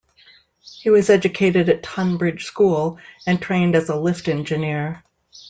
He was educated at Tonbridge School and trained as a lift engineer.